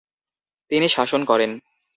তিনি শাসন করেন।